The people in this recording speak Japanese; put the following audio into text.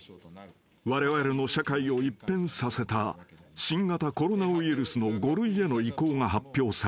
［われわれの社会を一変させた新型コロナウイルスの５類への移行が発表された］